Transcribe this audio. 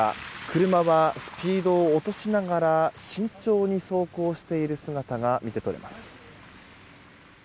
車はスピードを落としながら慎重に走行している姿が見て取れます。